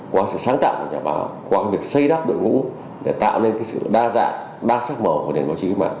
qua sự sáng tạo của nhà báo qua việc xây đắp đội ngũ để tạo nên sự đa dạng đa sắc màu của nền báo chí mà